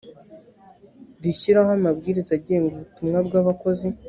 rishyiraho amabwiriza agenga ubutumwa bw abakozi